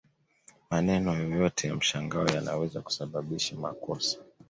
Maneno yoyote ya mshangao yanaweza kusababisha makosa